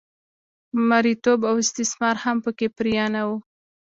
مریتوب او استثمار هم په کې پرېنه و.